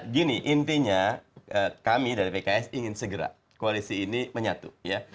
gini intinya kami dari pks ingin segera koalisi ini menyatu ya